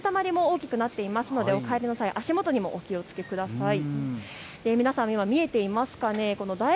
水たまりも大きくなっていますのでお帰りの際、足元にもお気をつけください。